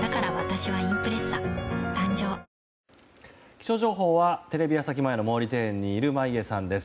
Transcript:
気象情報はテレビ朝日前の毛利庭園にいる眞家さんです。